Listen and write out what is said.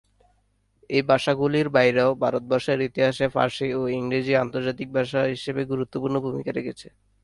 এই ভাষাগুলির বাইরেও ভারতবর্ষের ইতিহাসে ফার্সি ও ইংরেজি আন্তর্জাতিক ভাষা হিসেবে গুরুত্বপূর্ণ ভূমিকা রেখেছে।